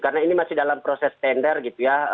karena ini masih dalam proses tender gitu ya